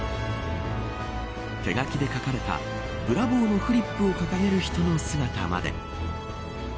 手書きで書かれたブラボーのフリップを掲げる人の姿まで。